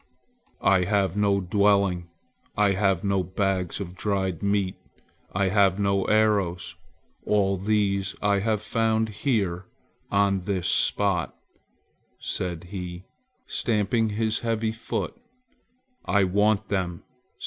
"I have no dwelling. I have no bags of dried meat. I have no arrows. All these I have found here on this spot," said he, stamping his heavy foot. "I want them!